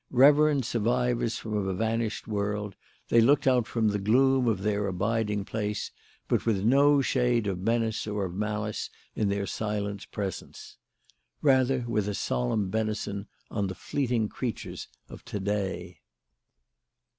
Reverend survivors from a vanished world, they looked out from the gloom of their abiding place, but with no shade of menace or of malice in their silent presence; rather with a solemn benison on the fleeting creatures of to day.